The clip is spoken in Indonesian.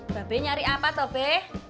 mbak be nyari apa tuh be